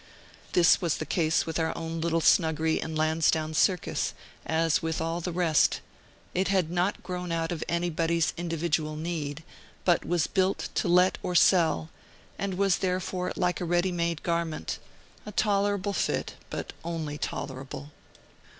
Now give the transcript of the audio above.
This was the case with our own little snuggery in Lansdowne Circus, as with all the rest; it had not grown out of anybody's individual need, but was built to let or sell, and was therefore like a ready made garment, a tolerable fit, but only tolerable.